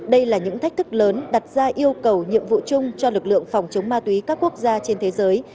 đây là những thách thức lớn đặt ra yêu cầu nhiệm vụ chung cho lực lượng phòng chống ma túy các quốc gia trên thế giới